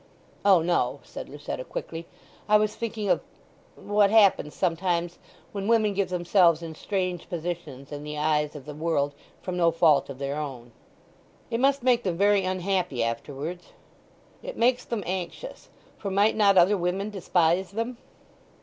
"O no," said Lucetta quickly. "I was thinking of—what happens sometimes when women get themselves in strange positions in the eyes of the world from no fault of their own." "It must make them very unhappy afterwards." "It makes them anxious; for might not other women despise them?"